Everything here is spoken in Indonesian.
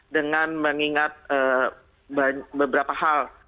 dengan mengingat beberapa hal